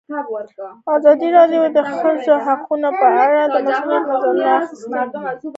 ازادي راډیو د د ښځو حقونه په اړه د مسؤلینو نظرونه اخیستي.